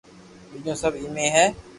ٻيجو سب ايمي ھي